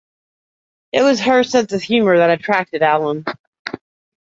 It was her sense of humor that attracted Allen.